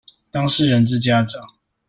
當事人之家長